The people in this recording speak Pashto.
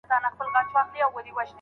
د سفر په اړه د ميرمني دنده څه ده؟